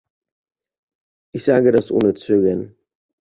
Ich sage das ohne Zögern.